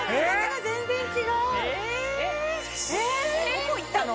・どこ行ったの？